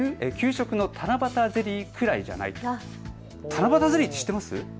七夕ゼリーって知ってます？